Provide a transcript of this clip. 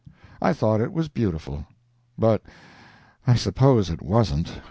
I thought it was beautiful, but I suppose it wasn't.